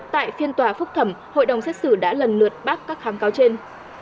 tại phiên tòa phúc thẩm hội đồng xét xử đã lần lượt bác các kháng cáo trên